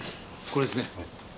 これですね？